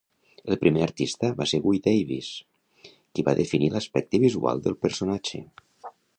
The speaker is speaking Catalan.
El primer artista va ser Guy Davis, qui va definir l'aspecte visual del personatge.